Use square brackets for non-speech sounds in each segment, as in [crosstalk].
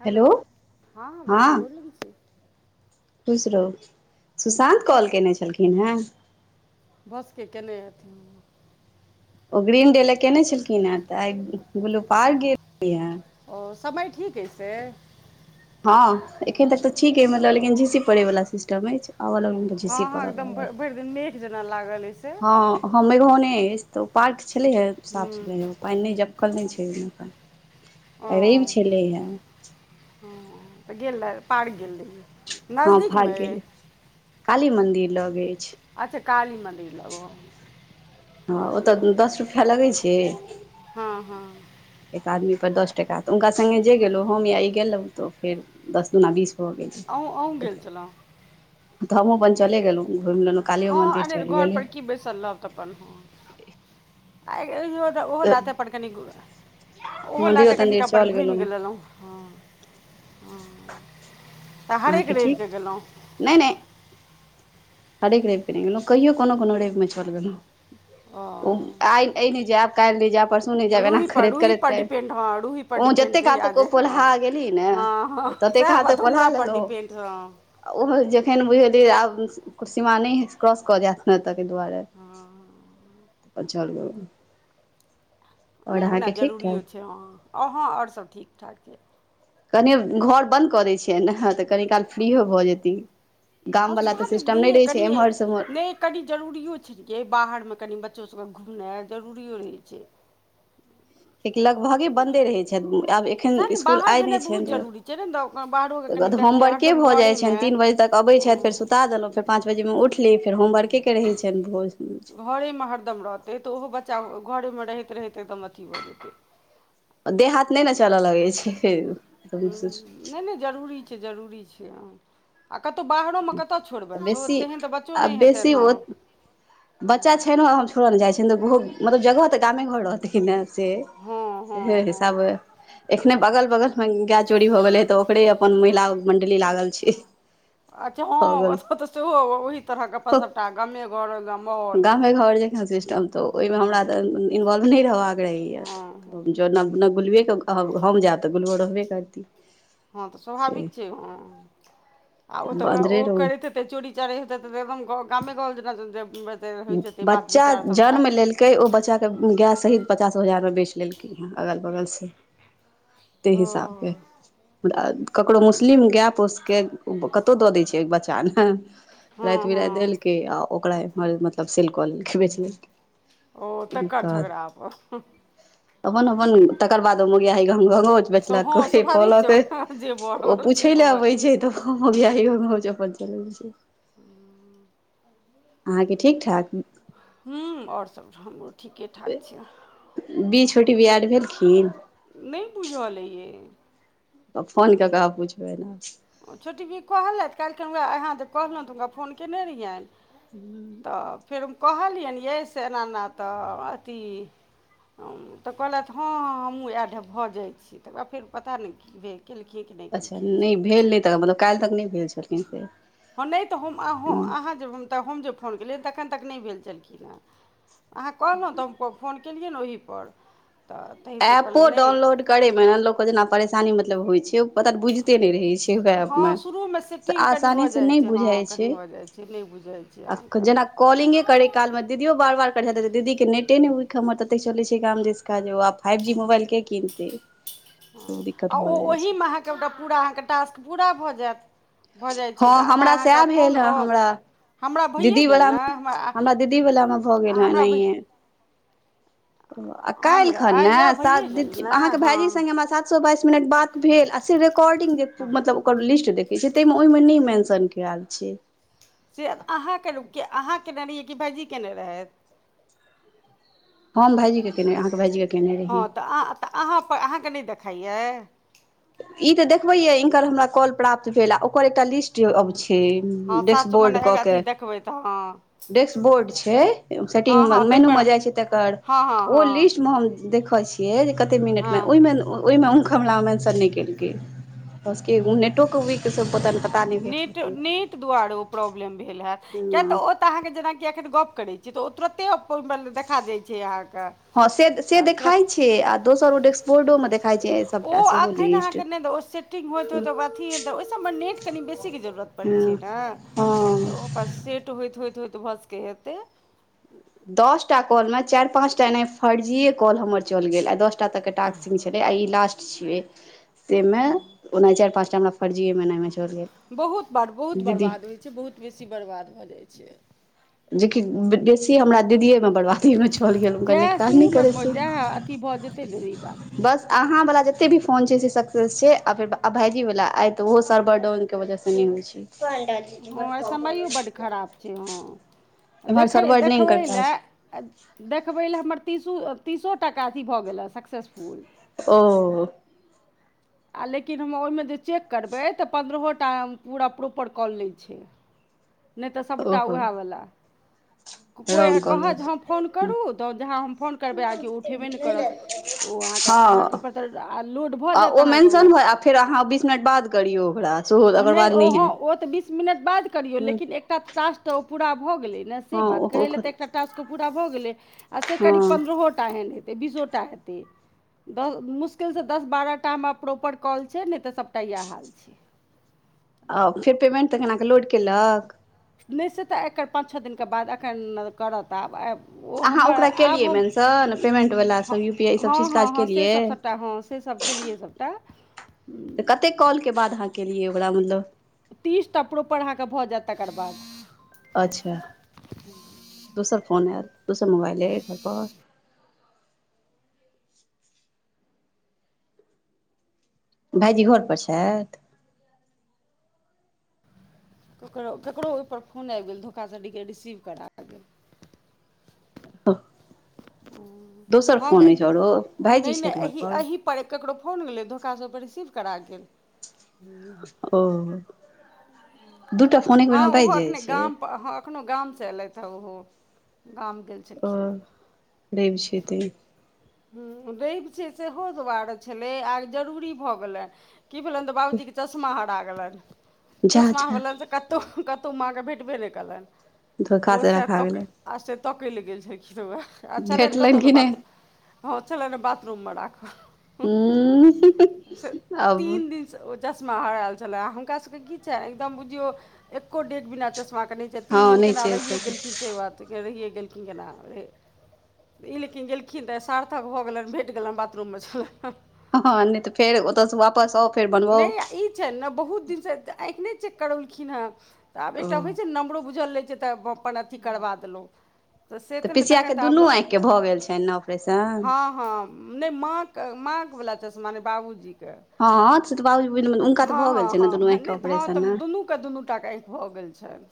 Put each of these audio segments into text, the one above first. Hello हँ हाँ भौजी गौर लगे छि। खुश रहू, हँ, सुशान्त ठीक कॉल केने छलखिन हेँ। भ सकै कनेे हेथिन। ओ ग्रीन डे लय केने छलखिन है तऽ आइ ग्लू पार्क गेल की है। ओ समय ठीक अए से। हँ एखन तक तऽ ठीक अयै, मतलब लेकिन झी- सी परै वाला सिस्टम अइछ। आबलगलुॅ हँ- हँ एकदम भइर दिन मेघ जेना लागल एहि से। हँ हँ मेघोने अइछ तऽ ओ पार्क छलैया साफ हूँ छलैह ओ पाइन नइ झपकल नहि छै ओहि मे का। ओ, ह, तऽ गेलय पार्क गेल रहि। हँ फड़ि गेल काली मन्दिर लग अइछ। अच्छा काली मन्दिर लब ओ, हो। हँ ओ तऽ दस रुपैया लगै छै। हँ -हँ एक आदमी पर दस टाका, तऽ हुनका सङ्गे जे गेलहुँ हम या ई गेलहुँ तऽ फेर दस दुना बीस। भऽ गेल आँहु आँहु गेल छलहुँ। धामो बड। हँ अंनेर घर गेलहुँ पर की बैसल रहब तऽ अपन। आइ गेल जोत त ऽ ओहो तऽ लाथेऽ अपन कनि घु ओहो मन्दिरो लाथे कनि तन्दिर अपन चलि घुमि गेलहुँ गलेलहुँ ह। ह [inaudible] अहाँके ठीक नै - नै। हरेक रइव के नय गेलहुँ कहियो कोनो- कोनो रइवमे चअल गेलहुँ ओ आइ। ऐ नहि जैब काइल नहि जैब परसु। हम नइ जायब ऐना रूही पर करैत- रूही करैत पर टाइम डिपेंड हँ रूही पर ओ डिपेंड जते काल जहिया तक ओ जे हँ पोलाह गेली ने। हँ हँ ततेक सएह खा तो बात पोलाह हुनका पर लेलहुॅ। डिपेंड हँ ओहो जेखेन बुझलियै आब सीमा नहि क्रॉस कऽ जैत। नइ त, तै दुआरे हँ अ छलहुँ। नै ओना ठीक ठाक जरूरियो छै हँ-हँ आओर हॅ आओर सभ ठीक ठाक छै। कनि घर बन्द करै छियैन ने तऽ कनि काल फ्रीओ भऽ जेती। गाम हँ वला तऽ स्वाभाविक सिस्टम नहि नहिये रहै छै कनिये एम्हर स ओम्हर। नहि कनि जरूरियो छैय गे बाहर मे कनि बच्चो सभक घुमनाइ जरूरियो रहै छै। एकि लगभगे बन्दे रहै छैथ आब एखन सएह ने इस्कूल बाहर आइ नहि भेनाइ छइन। बहुत जरूरी छै ने तऽ बाहरोके कनि गत ऽ देखतै होमबर्के हरदम भऽ जाइ छइन घरेमे तीन बजे तक। अबैत छथ फेर हँ सुता देलहुँ फेर पाँच बजेमे उठली फेर होमवर्के के रहै छइन भोज। घरेमे हरदम रहतै तऽ ओहो बच्चा घरेमे रहैत- रहैत एकदम अथी भऽ जेतै। देह हाथ नै नऽ चलऽ लगै छै। हुं नै -नै जरूरी छै जरूरी छै, हँ। आ कतहु बाहरो मे कतौ छोड़बैन स बेसी तेहन तऽ बच्चो आ नहि बेसी हेतनि हँ। ओ बच्चा छैइनो हम छोड़य ने जाइ छैन तऽ गुहु मतलब जगह तऽ गामे घर रहतैन ने से। हँ हँ सेेहे हँ हिसाबे एखने बगल- बगल मे गाय चोरी भऽ गेलै तऽ ओकरे अपन महिला मंडली लागल छै। अच्छा हँ ओतऽ तऽ सेहो ओही तरहके गप्प सबटा गामे घर मोहोल। ऐ घर जेका सिस्टम तऽ ओयमे हमरा तऽ इन्वॉल्व नै रहबाक रहैया हँ हँ जनम अपना गुलुये के कहब हम जायब तऽ गुलुये रहबे करती। हँ तऽ से स्वाभाविक छै हँ आ ओ तऽ अन्दरे रहू कैरतै। ते चोरी चारी हेतै तऽ एवम गामे घर जेना दैबमैथ। बच्चा जन्म लेल। कै ओ बच्चा के गेय सहीत पचासो हजार मे बेच लेलकै हेँ अगल बगल से। तेै ओ हिसाब के। आ ककरो मुस्लिम गेय पोसके कतौ दऽ दैय छै बच्चा। एय हँ हँ रैत-बिरात देलकै आ ओकरा इम्हर मतलब सेल कऽ लेलकै बेच लेलकै। ओ तकर झगड़ा अप अपन अपन तकर बाद ओ मौगिआही घों -घोंघ आउज। सभ बेचलक हँ कोय स्वाभाविक पोलक छै कोय जे भऽ ओ रहल छै पूछैय ले हमर आबै छै तखन मोगिआही घोंघाउज अपन चलू [unintelligible] आहाँके ठीक- ठाक हूँ और सब हमरो ठीके- ठाक छै। बी छोटी बी ऐड भेलखिन। नै बुझलए यै। तऽ फोन कऽ के आब पुछबै। ओ छोटी बी कहलथि कैल्हखिन वैह अहाँ जे कहलौ तऽ हुनका फोन केने रहियैन। तऽ फेर हम कहलियैन यै से एना -एना तऽ अथी। तऽ कहलैथ हँ हमहूँ ऐड भऽ जाय छी तकर बाद फेर पता नै की भेल। देलकै कि नै। अच्छा नै भेल नै तऽ मतलब कैल्ह तक नै भेल छेलखिन से। हँ नै तऽ हम हँ अहाँ जे हम जे फोन केलियै तखन तक नै भेल छलखिन हेँ। आहाँ कहलौ तऽ हम फोन केलियै ने ओही पर तऽ तहीपर कहलैन नै। करै मे न लोकके जेना परेशानी मतलब होय छै। पता बुझिते नै रहै छै ओएह मे हँ शुरूमे से सेटिंग आसानी से नै बुझाइ छै। से नै बुझाइ छै आहाँ। आ जेना कॉलिंगे करै कालमे दीदीओ बार -बार करै छथिन त दीदीक नेटे नै वीक हमर ततेक चलै छै गाम दिसका आप फाइव जी मोबाइलके किनतै तै दिक्कत भऽ जाइ छै। टा पूरा अहाँके टास्क पूरा भऽ जेएत भऽ जाइ छै हँ आधा हमरा अहाँके सएह भेल फोन हे आओत। हमरा हमरा भैए दीदी गेल नेै वलामे हमरा आ हमरा भै। ओ कैलखन हमरा ने यए सात भइए गेल दीन ने आहाँके हँ भाइजी संगे हमरा सात बाइस मिनट बात भेल आ से रिकॉर्डिंग जे हँ मतलब ओकर लिस्ट देखै छियै। तैमे ओइमे नै मेंशन केल छै। से अहाँके लोक किए आहाँ केने रहियै कि भाइजी केने रहैथ। हम भाइजीके केने आहाँके भाइजी के। हँ त आ आहाँ तऽ आहाँ पर अहाँकेँ नै देखाइए। ई त देखबैए जे इनकर हमरा कॉल प्राप्त भेल आ ओकर एकटा लिस्ट अब छै। हँ डेस्क सात सए बोर्ड मने कऽ के अथी देखबै तऽ हँ डेस्क बोर्ड छै हँ सेटिंग मे हँ मेनू ताहिपर मे जाय छै तऽ तऽ हँ हँ ओ हँ लिस्टमे हम देख छिअइ जे कते हँ मिनटमे ओयमे -ओयमे अहुँके हमरामे शन नै केलकै भऽ सकैए ओ नेटोके वीक सँ पतानै। नेट- नेट दुआरे ओ प्रॉब्लम भेल हेएत किए तऽ हँ ओ। अहाँके जेनाकि एखन गप करै छी त ओ तुरते अपन बला देखा जाइ छै अहाँके। हँ से - से देखाय तुरत छै आ दोसर ओ डेेक्स बोर्डो में देखाइ छै। ओ सभटा सेहो अखन लिस्ट अहाँके नै द ओ सेटिंग होइत हँ होइत ओकरा अथी द ओइ सभ मे नेट कनि बेसी के जरूरत परै छै ने। हॅं ओकरा सेट होइत होइत होइत भ सकैए हेतै। दस टा कॉल मे चारि पाँच टा एनाहि फर्जीए कॉल हमर चल गेलए दसटा तक टास्क आ ई लास्ट छियै तै मे ओना चारि पाँचटा हमरा फर्जीए बनेने छै। बहुत बाद बहुत बर्बाद होइ छै बहुत बेसी बर्बाद भ जाइ छै। जे कि बेसी हमरा दीदीए मे बरबादी मे चल गेल हुनकर नेट जएह काज नै करै शुरूमे छै। जएह अथी भऽ जेतै ने ई बात बस अहाँ वला जते भी फोन छै से सक्सेस छै आ फेर आ भाइजी बला आइ ते ओहो सर्वर डाउन के वजह से नै होइ छै। हँ आइ समयो बड्ड खराब [unintelligible] छै हँ एम्हर देखै सर्वर नहि देखबै हिनकर ले काज देखबै ले हमर तीसू तीसो टा काफी भ गेलए सक्सेसफुल, ओ आ लेकिन हम ओहिमे जे चेक करबै तऽ पन्द्रहो टा पूरा प्रोपर काॅल नै छै नहि तऽ सभटा ओहो उएहवला कोइ रौंग कॉल कहत जे हम फोन भऽ करू तऽ जहाँ हम फोन करबै आ की ओ उठेबे न‌इ करत। तऽ ओ अहाँके अहाँके हँ ओकर तऽ आ लोड भऽ आ जायत अहाँके मेंशन ओ होय आ फेर अहाँ बीस मिनट बाद करियौ ओकरा सेहो ओ ओकर नहि बाद ओ हॅं हैत ओ तऽ बीस मिनट बाद करियौ ह लेकिन एकटा तऽ टास्क तऽ ओ पूरा भऽ गेलै ने। से हँ बात ओ कहै ले तऽ एकटा टास्क ओ पूरा भऽ गेलै आ से करीब हँ पन्द्रहोटा एहन हेतै बीसो टा। टा हेतै। दस मुश्किल सँ दस बारह टा हमरा प्रॉपर कॉल छै नहि तऽ सबटा येएह हाल छै। आ फेर पेमेन्ट तखन, अहाँ के लोड केलक? नै से तऽ एकर पाँच छह दिन के बाद एखन करत आब आ ओ अहाँ हमर ओकरा आब केलियै हम मेंशन पेमेंट वला सब यू पी आई ई सब हँ चीज हँ काज हँ से केलियै सब सब हँ से सभ केलियै सबटा। तऽ कतेक कॉल के बाद अहाँ कलियै ओकरा मतलब? तीस टा प्रोपर अहाँके भऽ जायत तेकर बाद, अच्छा दोसर फोन आयल, दोसर मोबाइल ऐ घर पर? भाइजी घर पर छैथ? ककरो ककरो ओहिपर फोन आईब गेल धोखा से देखियो रिसीव करा गेल। दोसर हँ फोन अछि आउरो, भाइजी छैथ घर पर? पर ककरो फोन गेलै धोखा ओइ पर रिसीव करा गेल। ओह दूटा फोन एक बेर मे बाइज जाइ छै? अखनो गाम से एलैथ हऽ ओहो गाम गेल ओ छलखिन रैब छै तैं। हुं रैब छै सेहो दुआरे छलै आ जरूरी भऽ गेलैन। की भेलैन तऽ बाबूजी के चश्मा हरा गेलैन जा चश्मा जा भे कतहु कतहु माँ के भेटबे नहि केलैन। धोखा ओ से सेएह रखा तकैय गेलै आ से तकैय लए गेल छलखीन हें वेह आ छलैन फेटलनि कतऽ कि त बाथरुम मे। नहि हँ छलैन हें बाथरूम मे राखल से उंह आब तीन दिन से ओ चश्मा हरायल छलेए हुनका सबके की छै एकदम बुझियौ एको डेग बिना चश्मा के नै से हँ तीन दिन नहि केना छै रहीये गेलखिन, से बात देखियौ रहिए गेलखिन केना, ई लेकिन गेलखिन दस सार्थक भऽ गेलैन भेट गेलैन बाथरूम मे छलैन। हँ न‌इ त फेर ओतऽ स वापस आउ। फेर बनबाउ न‌इ ई छैन ने बहुत दिनसँ आँखि न‌इ चेक करबेलखिन हें। तऽ आब ओ एकटा होइ छै न नम्बरो बुझल रहै छै तऽ तखन अथि करबा देलौ से त तऽ न‌इ तखन पिसियाके त आब दुनू आँखिके भऽ गेल छनि ने ऑपरेशन हां हँ न‌इ माँ के माँ वला चश्मा नै बाबूजीके। हँ से तऽ बाबुजी के बुझलौं, हुनका तऽ हँ भऽ गेल छैन ने हँ दुनू हँ आँखि के नहि हँ ऑपरेशन तऽ ने। दुनूके दुनू टाके आँखि भऽ गेल छनि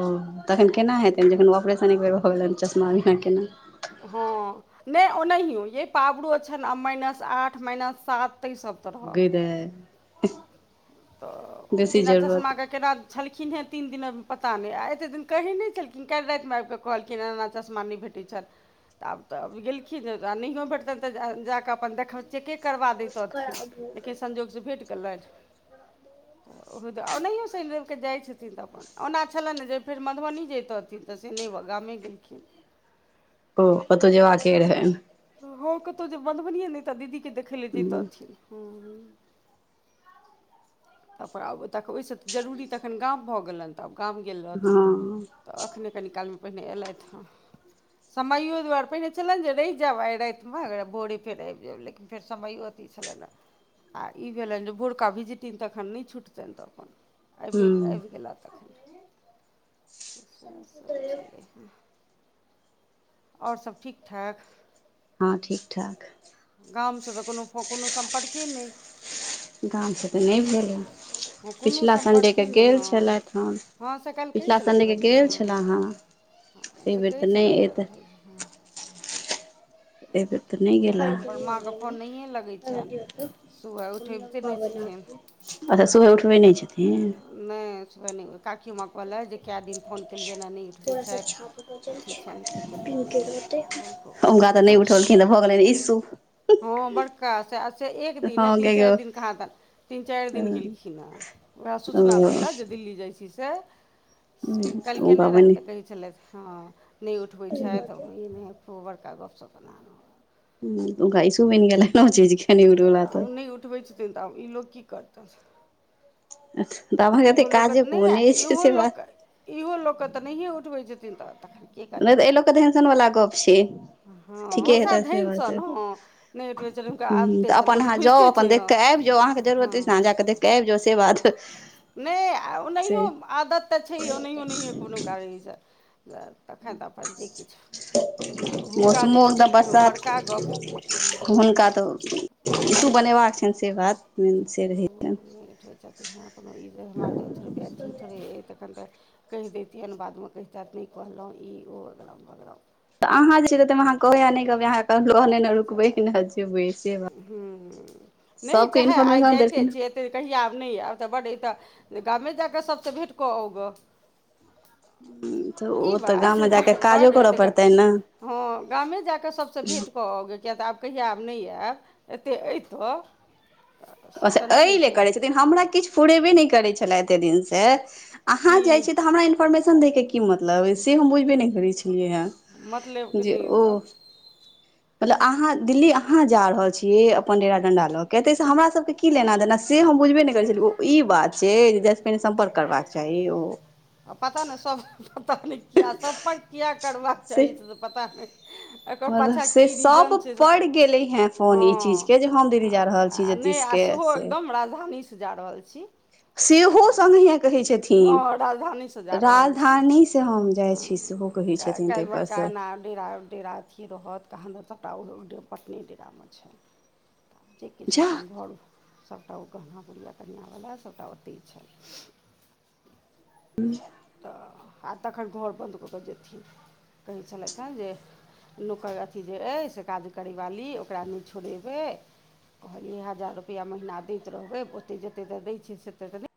ओ तखन केना हेतैन, जखन ऑपरेशन एक बेर भऽ गेलैन चश्मा बिना केना हँ न‌इ ओनाहियो यै पाबरो छैन आब माइनस आठ माइनस सात तैय स गे दाय। त बिना चश्मा के केना छलखिन हेँ तीन दिनमे पता न‌इ आ एतेक दिन कहै न‌इ छलखिन, काल्हि रातिमे आबिकऽ कहलखिन एना एना चश्मा न‌इ भेटल। ठीक छैन तऽ आब तऽ गेलखिन त नहियो भेटतैन तऽ जाके अपन देखौथिन। चेके करबा देैतथिन लेकिन संजोगसँ भेट गेलैन। तऽ ओ ओनहियो श‌नि रवि के जाइत छथिन तऽ अपन ओना छलैने जे फेर मधुबनी जैतथिन तऽ से नै गामे गेलखिन। ओ ओतऽ जेबाक रहैन। हँ कतहु जे मधुबनीये न‌इ तऽ दीदीके देखय लेल हँ जैतथिन हुं। त पर आब ओ तऽ ओहिसँ जरूरी तखन गाम भऽ गेलनि त आब गाम गेल रहथिन हूँ त एखने कनिकालमे पहिने अयलथि हँ। समैयो दुआरे, पहिने छलनि जे रहि जायब आइ रातिमे भोरे फेर आबि जायब लेकिन फेर समैयो अथि छलैने, आ ई भेलनि जे भोरका विजिटिंग त तखन नै छुटतनि तऽ अपन आबि गेला तखन। सएह सभ छलै हेँ, और सभ ठीक ठाक। हँ ठीक ठाक गाम सँ तऽ कोनो फोन कोनो संपर्के नै। गाम सँ तऽ नहि भेल हेँ, हँ कोनो पिछिला संडे के सम्पर्के नहि गेल हँ छलथि हें। हँ से काल्हि कहै पिछला छलथि संडे के भाइजी गेल छलाहें। हँ से कहै छलथि काल्हि खन। ऐबेर तऽ नहि कोनो सम्पर्क गेलाहे। माँके फोन नहिए लगै छनि सुबह उठबिते नहि छथिन अच्छा सुबह उठबै नहि छथिन। नहि सुबह नै, काकीयो माँ कहलैथ जे कए दिन फोन केलियैन ह नहि उठबै छथि अथि छनि की केलियनि नहि केलियनि अपन खूब हुनका कहै तऽ नहि छलखिन उठौलखिन तऽ भऽ गेलनि हें। इशू हँ बड़का से अच्छा एक दिन हँ ने तीन गे गो चारि दिन कहाँ दन तीन चारि दिन गेलखिन हे। वैह ओ सूचना दै ले जे दिल्ली जाइ छी से, से काल्हि हुनका केने रहैथ बनि तऽ कहै छलथि। हँ नहि उठबै छथि ई नहि, बड़का गपशप एना ओना ह त हुनका इसू बनि गेलनि ओ चीज के, नै उठबै छैथ आब नहि उठबै छथिन तऽ आब ई लोक की करतनि। तऽ अहाँके एते इहो लोक त काजे नहि कोन आ अछि इहो से बात लोक। इहो लोकके तऽ नहिए उठबै छथिन तऽ तखैन। नहि तऽ एहिलोक के एहन सन बला गप छै, हँ ठीके हँसा हेतथि। धनि ह सन हँ नहि उठबै छथिन हुनका आदते तऽ छनि अपन लोक अहाँ जाउ, बुझिते अपन छै देखि हँ कऽ आबि जाउ अहाँके जरूरत अछि हँ त अहाँ जा कऽ देखि कऽ आबि जाउ से बात नहि आ से ओनहिओ आदत तऽ छैहे, ओनहिओ नहिए कोनो कारण से। तखन तऽ अपन जे किछ, आ हुनका नहि मौसमो एकदम उठेलखिन बरसात बड़का गप, हँ। हुनका तऽ इसु बनेबाक छैन से बात मेन से रहै हेतैन। थोड़े चाहते हमरा कुनो ई हमरा तऽ थोड़े अथी थोड़े ए तखन तऽ कैह दैतियेन बादमे कैहतैत नै कहलौ ई ओ अगरम बगरम। तऽ अहाँ जे छैे से तै मे अहाँ कहबै आ नै कहबै अहाँ के कहत लोक नै ने से रुकबै ना जेबै से बात, हूँ सबके इन्फोरमेशन देलखिन ते कहिया आएब नै आएब तऽ बड ई तऽ गामे जा के सबसे भेट कऽ आउ गऽ। हुं। ई बात बड, बड ऐ तऽ ग पड़तै ने हां गामे जाकऽ सबसे भेट कऽ आउ गे किया तऽ आब कहिया आएब नै आएब एते ऐ तऽ से अच्छा तऽ ए नहि अइ लेल फेर करै छथिन, हमरा किछ फुरैबे नै करै छला एते दिन से। अहाँ की जाय छियै तऽ हमरा इन्फॉर्मेशन दैके की मतलब से हम बुझबे नै करै छलियै या। मतलबके जे नहि अइ ओ तऽ मतलब अहाँ, दिल्ली अहाँ जा रहल छी अपन डेरा डंडा ल के तैसे हमरा सब के की लेना-देना से हम बुझबे नै करै नहि छलियै ओ ई बात छै जे जाय से पहिने सम्पर्क करबाक चाही ओ। आ पता नै सब पता नै किया संपर्क किया करबाक चाही। से पता नै। एकर मतलब पाछा से की सभ रीजन छै से तऽ पड़ि गेलै हेँ फोन ई हां चीजके जे हम आ दीदी जा रहल छी आ नै आ जतीशके सेहो से एकदम राजधानी से जा रहल छी। सेहो संगहिये कहै छै थी, हँ राजधानीसँ जा रहल छी राजधानी से हम जाय छी सेहो कहै छथिन तै पर [unintelligible] ना डेरा-डेरा अथीये रहत कहाँ दन सबटा उ डे पटने डेरा मे छैन। जे किछो जा अपन घर सबटा ओ गहना गुड़िया कनिया बला सबटा ओते छै। हुं। तऽ आर तखन घर बन्द कऽ कऽ जेथिन कहै छलैथ हें जे नौकर अथि जे अय से काज करै वाली ओकरा नै छोड़ेबै। कहलियै हजार रुपया महीना दैत रहबै ओते जेते तऽ दै छी से ते तऽ नै